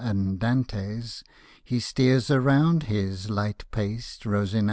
idantes — He steers around his light paced Rosinantes.